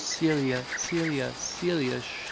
Celia, Celia, Celia sh